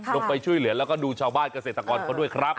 ลงไปช่วยเหลือแล้วก็ดูชาวบ้านเกษตรกรเขาด้วยครับ